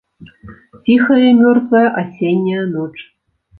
Ціхая і мёртвая асенняя ноч.